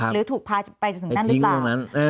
หรือถูกพาไปจนถึงนั่นหรือเปล่า